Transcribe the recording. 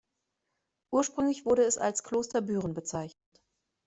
Ursprünglich wurde es als „Kloster Büren“ bezeichnet.